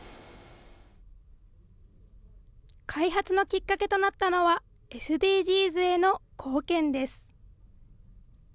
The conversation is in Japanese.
開発のきっかけとなったのは、ＳＤＧｓへの貢献です。